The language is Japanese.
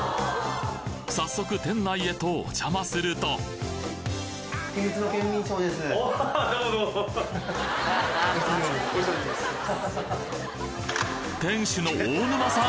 早速店内へとお邪魔すると店主の大沼さん